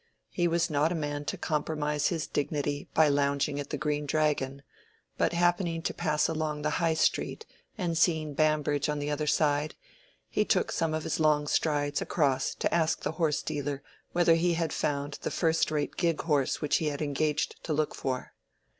He was not a man to compromise his dignity by lounging at the Green Dragon, but happening to pass along the High Street and seeing Bambridge on the other side, he took some of his long strides across to ask the horsedealer whether he had found the first rate gig horse which he had engaged to look for.